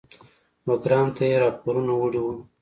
بګرام ته یې راپورونه وړي وو.